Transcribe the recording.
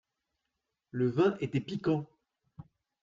Le vin était piquant.